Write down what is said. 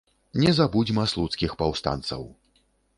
Не забудзьма слуцкіх паўстанцаў!